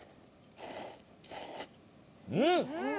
うん！